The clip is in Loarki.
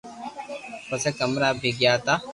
پسي ڪمرا مي گيا تا